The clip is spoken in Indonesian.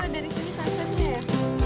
wah dari sini sunsetnya ya